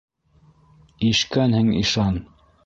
Ишкәнһең ишан...